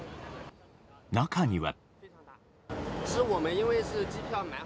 中には。